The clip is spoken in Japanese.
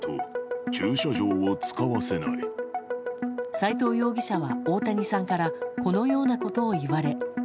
斎藤容疑者は、大谷さんからこのようなことを言われ。